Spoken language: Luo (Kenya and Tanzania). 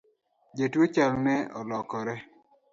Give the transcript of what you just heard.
Jatuo chalne olokore